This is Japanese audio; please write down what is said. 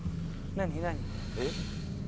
何何？